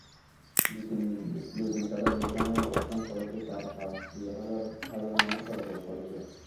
দুদিন তারা যেখানে অবস্থান করেছে তার পাশ দিয়ে হাজার হাজার মানুষ চলাচল করেছে।